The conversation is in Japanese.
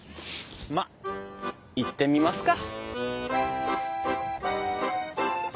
まあ行ってみますか。